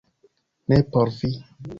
Ne por vi